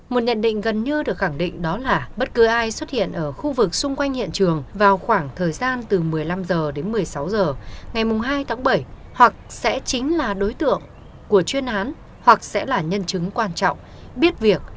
một nhận định gần như được khẳng định đó là bất cứ ai xuất hiện ở khu vực xung quanh hiện trường vào khoảng thời gian từ một mươi năm h đến một mươi sáu h ngày hai tháng bảy hoặc sẽ chính là đối tượng của chuyên án hoặc sẽ là nhân chứng quan trọng biết việc